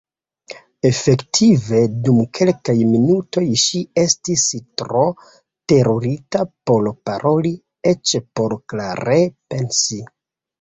Efektive dum kelkaj minutoj ŝi estis tro terurita por paroli, eĉ por klare pensi.